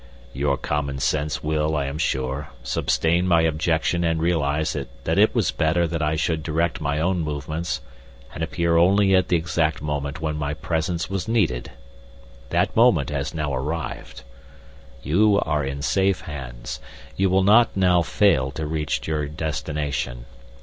"Your common sense will, I am sure, sustain my objection and realize that it was better that I should direct my own movements and appear only at the exact moment when my presence was needed. That moment has now arrived. You are in safe hands. You will not now fail to reach your destination.